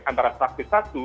antara saksi satu